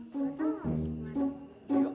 kakak lihat tuh pak